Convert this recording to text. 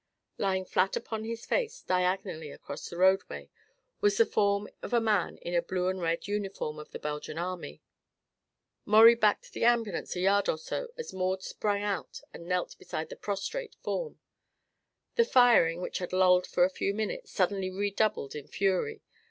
Lying flat upon his face, diagonally across the roadway, was the form of a man in the blue and red uniform of the Belgian army. Maurie backed the ambulance a yard or so as Maud sprang out and knelt beside the prostrate form. The firing, which had lulled for a few minutes, suddenly redoubled in fury.